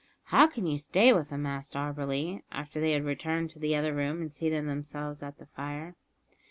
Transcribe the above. "How can you stay with him?" asked Auberly, after they had returned to the other room and seated themselves at the fire.